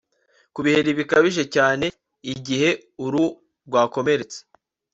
Ku biheri bikabije cyane igihe uruhu rwakomeretse